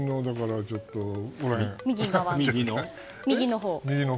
右のほう。